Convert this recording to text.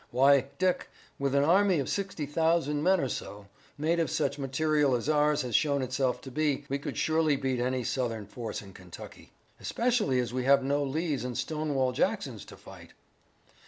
Why, Dick, with an army of sixty thousand men or so, made of such material as ours has shown itself to be, we could surely beat any Southern force in Kentucky!" "Especially as we have no Lees and Stonewall Jacksons to fight."